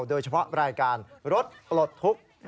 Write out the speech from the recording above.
โดยเฉพาะรายการรถปลดทุกข์